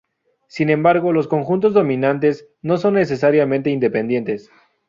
Sin embargo, los conjuntos dominantes no son necesariamente independientes.